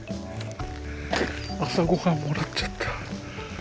朝ごはんもらっちゃった。